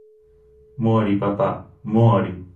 Muori papà... muori!